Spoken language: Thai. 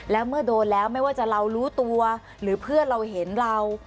แล้วเมื่อโดนแล้วไม่ว่าจะเรารู้ตัวหรือเพื่อนเราเห็นเรา